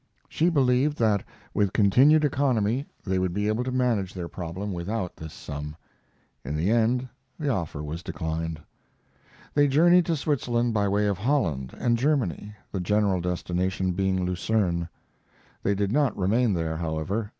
She believed that with continued economy they would be able to manage their problem without this sum. In the end the offer was declined. They journeyed to Switzerland by way of Holland and Germany, the general destination being Lucerne. They did not remain there, however.